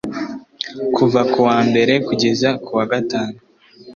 kuva ku wa Mbere kugeza ku wa Gatanu